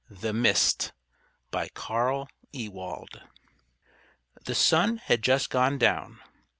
THE MIST By Carl Ewald The sun had just gone down.